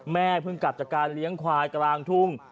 เพิ่งกลับจากการเลี้ยงควายกลางทุ่ง